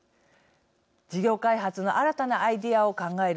事業開発の新たなアイデアを考える。